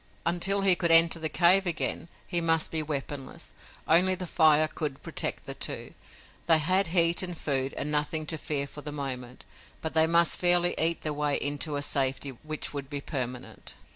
Until he could enter the cave again he must be weaponless. Only the fire could protect the two. They had heat and food and nothing to fear for the moment, but they must fairly eat their way into a safety which would be permanent!